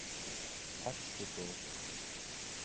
хол хөдөө